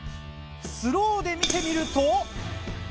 スローで見てみると。